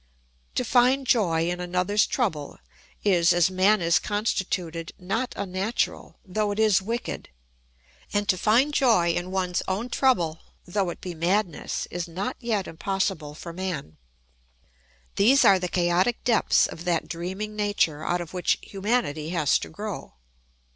To find joy in another's trouble is, as man is constituted, not unnatural, though it is wicked; and to find joy in one's own trouble, though it be madness, is not yet impossible for man. These are the chaotic depths of that dreaming nature out of which humanity has to grow.